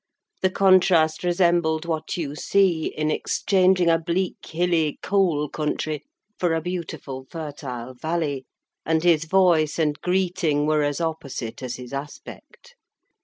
The contrast resembled what you see in exchanging a bleak, hilly, coal country for a beautiful fertile valley; and his voice and greeting were as opposite as his aspect.